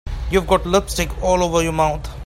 You've got lipstick all over your mouth.